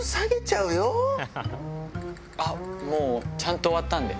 もうちゃんと終わったんで。